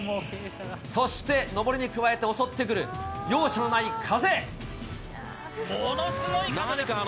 そして登りに加えて襲ってくる、容赦のない風。